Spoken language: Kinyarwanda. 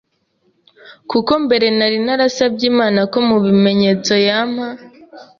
kuko mbere nari narasabye Imana ko mu bimenyetso yampa